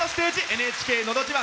「ＮＨＫのど自慢」。